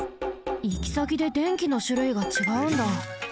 いきさきで電気のしゅるいがちがうんだ。